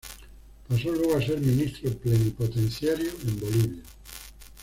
Pasó luego a ser ministro plenipotenciario en Bolivia.